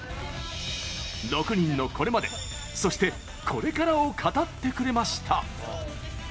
６人の、これまで、そしてこれからを語ってくれました。